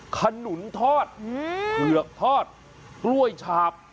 ขนุนทอดเกลือกทอดร่วยฉาบ